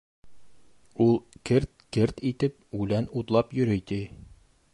Ул керт-керт итеп үлән утлап йөрөй, ти.